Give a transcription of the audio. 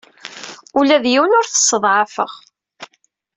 Ula d yiwen ur t-sseḍɛafeɣ.